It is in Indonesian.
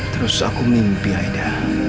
terus aku mimpi aida